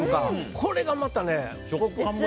これがまたね。